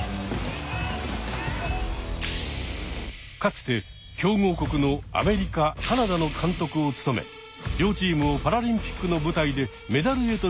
かつて強豪国のアメリカカナダの監督を務め両チームをパラリンピックの舞台でメダルへと導いた名将です。